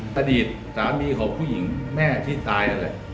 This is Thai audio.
ประดิษฐ์สามีของผู้หญิงแม่ที่ตาย